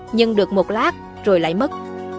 nhưng được một lát rồi lại mất